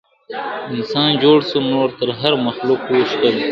انسان جوړ سو نور تر هر مخلوق وو ښکلی .